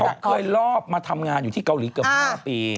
เขาเคยรอบมาทำงานอยู่ที่เกาหลีเกือบ๕ปี